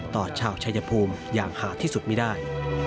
ต่อชาวชายภูมิอย่างหาที่สุดไม่ได้